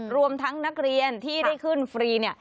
รวมทั้งนักเรียนที่ได้ขึ้นฟรีเนี่ย